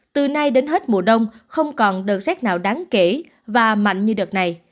từ nay đến hết mùa đông không còn đợt rét nào đáng kể và mạnh như đợt này